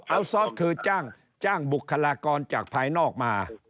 เอาซอสคือจ้างบุคลากรจากภายนอกมา